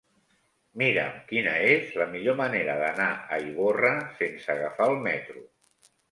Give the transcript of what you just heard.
Mira'm quina és la millor manera d'anar a Ivorra sense agafar el metro.